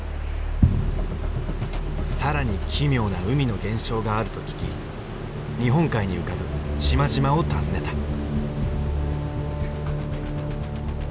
更に奇妙な海の現象があると聞き日本海に浮かぶ島々を訪ねた。